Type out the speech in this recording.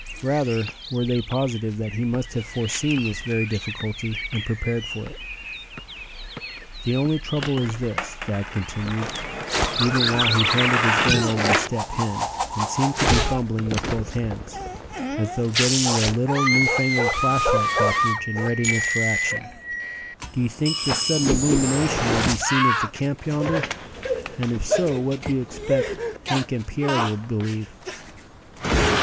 Rather were they positive that he must have foreseen this very difficulty, and prepared for it. "The only trouble is this," Thad continued, even while he handed his gun over to Step Hen, and seemed to be fumbling with both hands, as though getting the little new fangled flashlight cartridge in readiness for action; "do you think the sudden illumination will be seen at the camp yonder; and if so what do you expect Hank and Pierre will believe?"